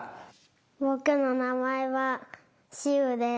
ぼくのなまえはしうです。